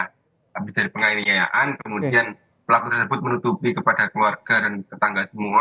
habis dari penganiayaan kemudian pelaku tersebut menutupi kepada keluarga dan tetangga semua